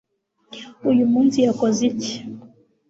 uyu munsi yakoze iki